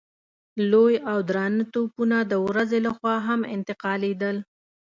لوی او درانه توپونه د ورځې له خوا هم انتقالېدل.